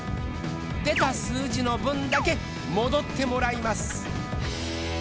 出た数字の分だけ戻ってもらいます。